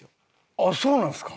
あっそうなんですか？